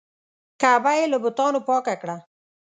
کعبه یې له بتانو پاکه کړه.